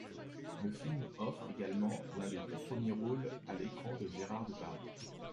Le film offre également l'un des tout premiers rôle à l'écran de Gérard Depardieu.